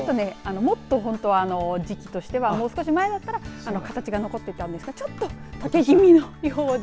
もっと本当は時期としてはもう少し前だったら形が残っていたんですがちょっととけ気味のようです。